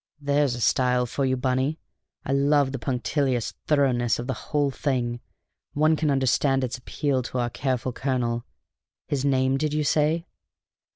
There's a style for you, Bunny! I love the punctilious thoroughness of the whole thing; one can understand its appeal to our careful colonel. His name, did you say?